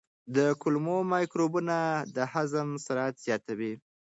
د کولمو مایکروبونه د هضم سرعت زیاتوي.